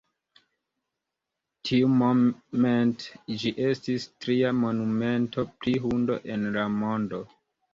Tiumomente ĝi estis tria monumento pri hundo en la mondo.